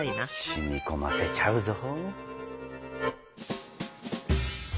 染み込ませちゃうぞ。